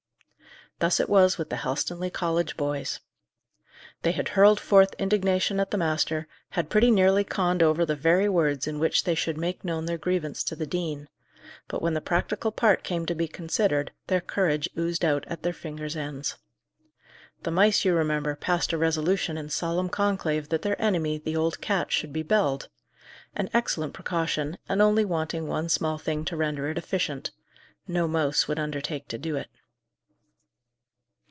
Thus it was with the Helstonleigh college boys. They had hurled forth indignation at the master, had pretty nearly conned over the very words in which they should make known their grievance to the dean; but when the practical part came to be considered, their courage oozed out at their fingers' ends. The mice, you remember, passed a resolution in solemn conclave that their enemy, the old cat, should be belled: an excellent precaution, and only wanting one small thing to render it efficient no mouse would undertake to do it.